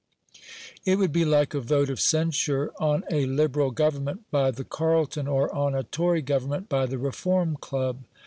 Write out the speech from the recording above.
It would be like a vote of censure on a Liberal Government by the Carlton, or on a Tory Government by the Reform Club.